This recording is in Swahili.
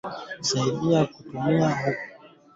Husaidia kutukinga na magonjwa ya moyo kiharusi na saratani